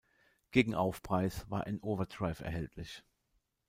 Gegen Aufpreis war ein Overdrive erhältlich.